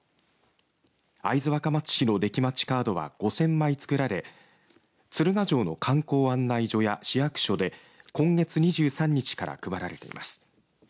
会津若松市の歴まちカードは５０００枚作られ鶴ヶ城の観光案内所や市役所で今月２３日から配られています。